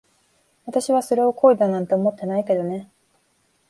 私はそれを恋だなんて思ってないけどね。